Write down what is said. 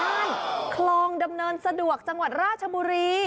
เป็นของอย่างคลองดำเนินสะดวกจังหวัดราชบุรี